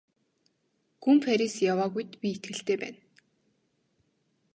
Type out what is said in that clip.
Гүн Парис яваагүйд би итгэлтэй байна.